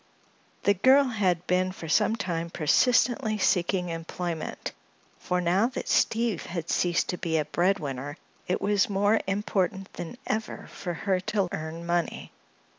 The girl had been for some time persistently seeking employment, for now that Steve had ceased to be a breadwinner it was more important than ever for her to earn money.